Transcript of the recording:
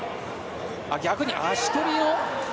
逆に、足取りを。